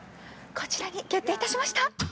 こちらに決定いたしました。